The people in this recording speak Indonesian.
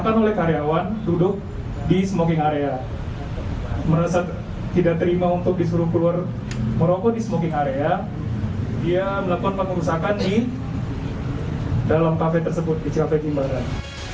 kejahatan tersebut di kcap jimbaran